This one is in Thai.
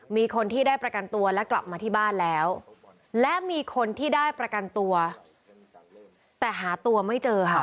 มีคนที่ได้ประกันตัวและกลับมาที่บ้านแล้วและมีคนที่ได้ประกันตัวแต่หาตัวไม่เจอค่ะ